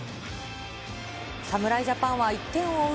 侍ジャパンは１点を追う